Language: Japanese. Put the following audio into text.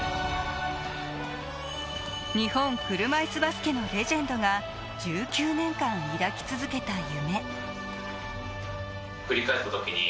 日本車いすバスケのレジェンドが１９年間抱き続けた夢。